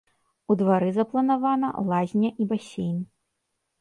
У двары запланавана лазня і басейн.